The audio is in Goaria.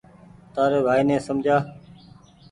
تآري ڀآئي ني سمجهآ